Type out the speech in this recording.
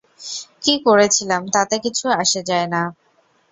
কী করেছিলাম, তাতে কিছু আসে যায় না।